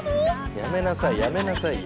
やめなさいやめなさいよ。